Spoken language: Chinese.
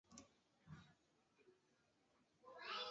平版印刷是基于油和水互斥的原理的手动工艺。